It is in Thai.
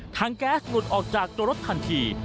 แก๊สหลุดออกจากตัวรถทันที